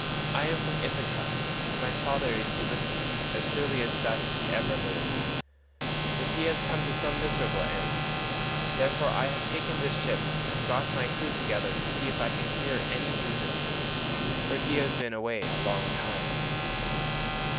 I am from Ithaca, and my father is Ulysses, as surely as that he ever lived. But he has come to some miserable end. Therefore I have taken this ship and got my crew together to see if I can hear any news of him, for he has been away a long time."